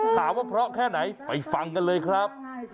ถามว่าเพราะแค่ไหนไปฟังกันเลยครับ